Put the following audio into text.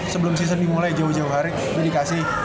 sebelum season dimulai jauh jauh hari ini dikasih